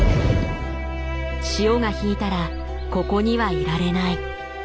潮が引いたらここにはいられない。